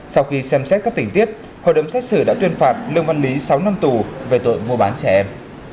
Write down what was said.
sau khi xem xét các tình tiết hội đồng xét xử đã tuyên phạt lương văn lý sáu năm tù về tội mua bán trẻ em